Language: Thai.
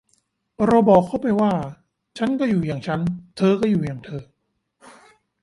เราบอกเขาไปว่า ฉันก็อยู่อย่างฉัน เธอก็อยู่อย่างเธอ